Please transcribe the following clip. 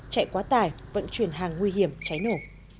chạy quá tải vận chuyển hàng nguy hiểm cháy nổ